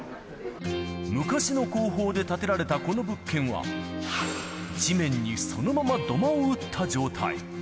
昔の工法で建てられたこの物件は、地面にそのまま土間を打った状態。